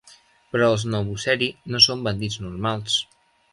Però els Nobuseri no són bandits normals.